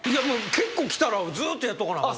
結構来たらずーっとやっとかなあ